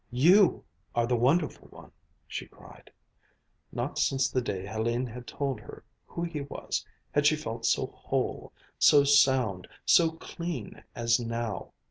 "You are the wonderful one!" she cried. Not since the day Hélène had told her who he was, had she felt so whole, so sound, so clean, as now.